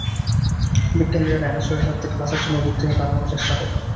বিজ্ঞানীরা ডাইনোসরের হাত থেকে বাঁচার জন্য দ্বীপ থেকে পালানোর চেষ্টা করেন।